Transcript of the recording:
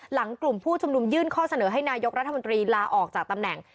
กลุ่มผู้ชุมนุมยื่นข้อเสนอให้นายกรัฐมนตรีลาออกจากตำแหน่ง